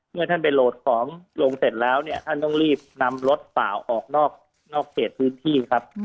เมื่อท่านไปโหลดของลงเสร็จแล้วท่านต้องรีบนำรถสาวออกนอกเกตพื้นที่